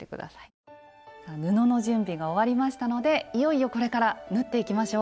布の準備が終わりましたのでいよいよこれから縫っていきましょう。